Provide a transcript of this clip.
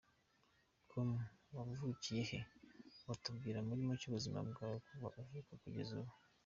com : Wavukiye he? Watubwira muri make ubuzima bwawe kuva uvutse kugeza ubu.